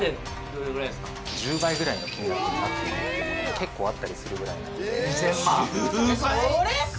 １０倍ぐらいの金額になっているものが結構あったりするぐらいなので２０００万１０倍！